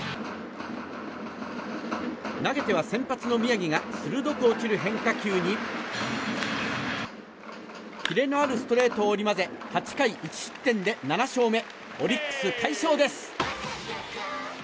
投げては先発の宮城が鋭く落ちる変化球にキレのあるストレートを織り交ぜ８回１失点で７勝目、オリックス快勝です。